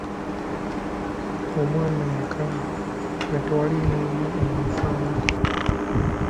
Omwana yakaaba nga tewaali n'omu eyamufangako.